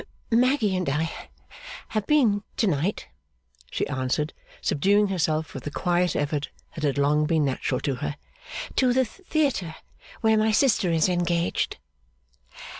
'Maggy and I have been to night,' she answered, subduing herself with the quiet effort that had long been natural to her, 'to the theatre where my sister is engaged.